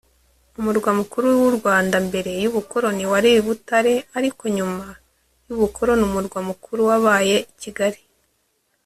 Umurwa Mukuru w u Rwanda mbere yubukoroni wari butare ariko nyuma yubukoroni umurwa mukuru wabaye Kigali .